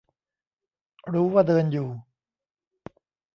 รู้ว่าเดินอยู่